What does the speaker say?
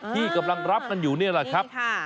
ที่กำลังรับกันอยู่นี่แหละครับ